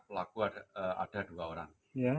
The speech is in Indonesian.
pelaku ada dua orang